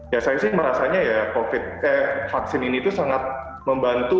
ya saya sih merasanya ya covid vaksin ini tuh sangat membantu